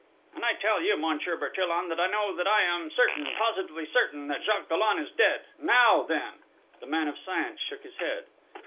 "And I tell you, Monsieur Bertillon, that I know that I am certain positively certain, that Jacques Dollon is dead!... Now, then!..." The man of science shook his head.